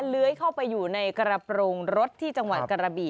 เลื้อยเข้าไปอยู่ในกระโปรงรถที่จังหวัดกระบี่